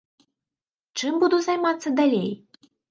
Чым буду займацца далей?